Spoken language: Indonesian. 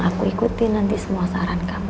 aku ikutin nanti semua saran kamu